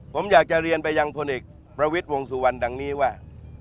ผมอยากจะเรียนไปยังพลเอกประวิทย์วงสุวรรณดังนี้ว่า